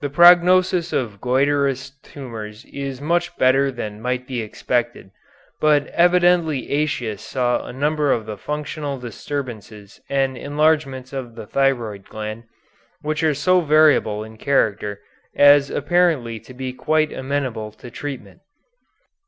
The prognosis of goitrous tumors is much better than might be expected, but evidently Aëtius saw a number of the functional disturbances and enlargements of the thyroid gland, which are so variable in character as apparently to be quite amenable to treatment.